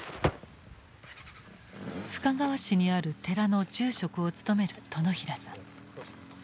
深川市にある寺の住職を務める殿平さん。